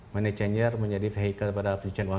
money changer menjadi vehikel pada penyusunan uang